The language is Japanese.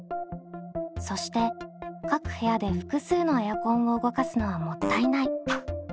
そして各部屋で複数のエアコンを動かすのはもったいない。